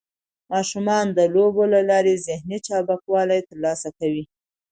ماشومان د لوبو له لارې ذهني چابکوالی ترلاسه کوي.